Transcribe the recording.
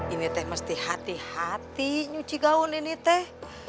ini teh mesti hati hati nyuci gaun ini teh